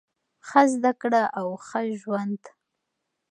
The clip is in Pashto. ښه زده کړه او ښه ژوند.